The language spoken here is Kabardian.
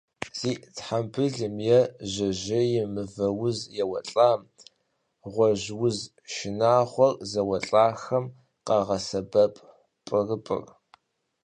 Зи тхьэмбылым е жьэжьейм мывэуз еуэлӏам, гъуэжь уз шынагъуэр зэуэлӏахэм къагъэсэбэп пӏырыпӏыр.